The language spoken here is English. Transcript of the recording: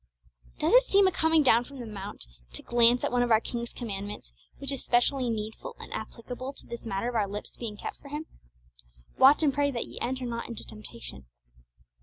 Does it seem a coming down from the mount to glance at one of our King's commandments, which is specially needful and applicable to this matter of our lips being kept for Him? 'Watch and pray, that ye enter not into temptation.'